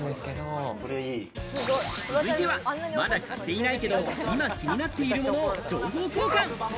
続いては、まだ買っていないけど、今気になっているものを情報交換。